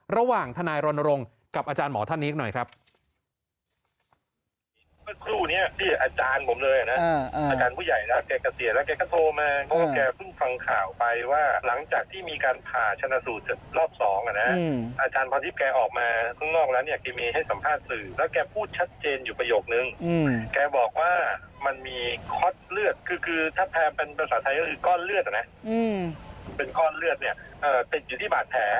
ระหว่างทนายรณรงค์กับอาจารย์หมอท่านนี้หน่อยครับ